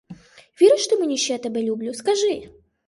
Віриш ти мені, що я тебе люблю, скажи?